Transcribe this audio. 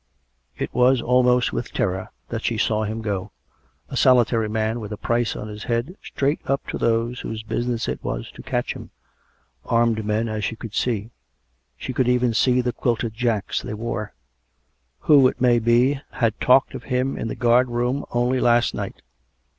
It was almost with terror that she saw him go — a soli tary man, with a price on his head, straight up to those whose business it was to catch him — armed men, as she could see — she could even see the quilted jacks they wore — who, it may be, had talked of him in the guard room only last night.